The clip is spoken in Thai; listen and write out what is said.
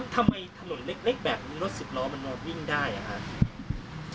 ทำไมถนนเล็กแบบรถสิบล้อมันวิ่งได้